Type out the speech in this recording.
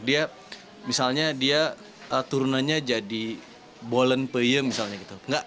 dia misalnya dia turunannya jadi bollen peyem misalnya gitu